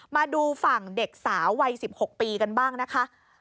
มาดูฝั่งเด็กสาววัย๑๖ปีกันบ้างนะคะ